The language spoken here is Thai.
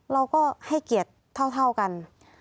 เราก็ให้เกียรติเท่ากัน